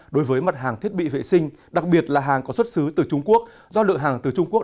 đối với mặt hàng thiết bị vệ sinh đặc biệt là hàng có xuất xứ từ trung quốc do lượng hàng từ trung quốc